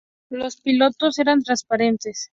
Los pilotos eran transparentes.